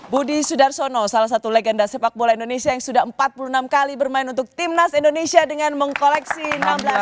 budi sudarsono salah satu legenda sepak bola indonesia yang sudah empat puluh enam kali bermain untuk timnas indonesia dengan mengkoleksi enam belas